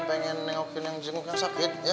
pengen nengokin yang jenguk yang sakit ya